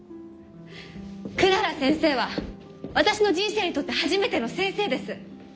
クララ先生は私の人生にとって初めての先生です。